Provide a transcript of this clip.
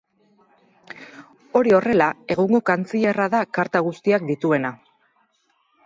Hori horrela, egungo kantzilerra da karta guztiak dituena.